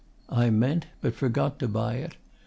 I meant, but forgot, to buy it.